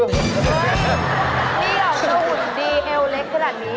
เฮ่ยนี่เหรอเจ้าหุ่นดีแอวเล็กขนาดนี้